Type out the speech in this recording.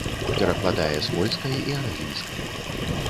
Перакладае з польскай і англійскай.